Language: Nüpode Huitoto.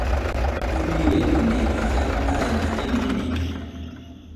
ɨniredɨñaiño jae aɨna jenonide.